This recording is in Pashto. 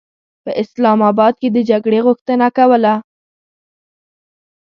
په اسلام اباد کې د جګړې غوښتنه کوله.